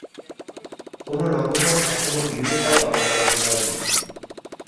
কোনো নভোযান এখনো ইউরোপায় অবতরণ করে নি।